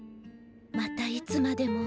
またいつまでも。